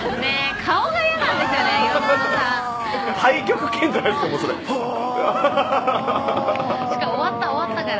太極拳じゃないですか。